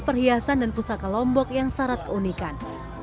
perhiasan dan pusaka lombok yang syarat keunikan